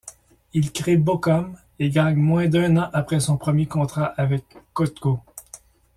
Il crée Bocom et gagne moins d'un an après son premier contrat ave Cotco.